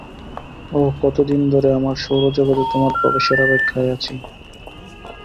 ওহ, কতদিন ধরে আমার সৌরজগতে তোমার প্রবেশের অপেক্ষায় রয়েছি।